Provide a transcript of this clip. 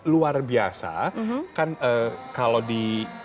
luar biasa kan kalau di